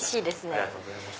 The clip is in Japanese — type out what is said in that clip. ありがとうございます。